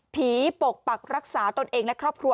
ปกปักรักษาตนเองและครอบครัว